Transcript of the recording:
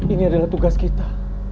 ini adalah tugas kita